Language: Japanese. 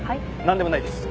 何でもないです。